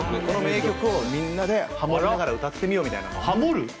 この名曲をみんなでハモりながら歌ってみようみたいなのをハモる！？